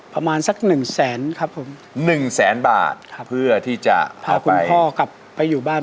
ประมาณสักหนึ่งแสนครับผมหนึ่งแสนบาทครับเพื่อที่จะพาคุณพ่อกลับไปอยู่บ้าน